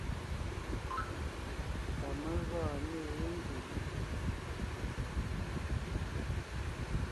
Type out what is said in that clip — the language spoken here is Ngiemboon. Tà mé gɔɔn ne yé ngie.